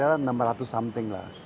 kalau kira kira enam ratus something lah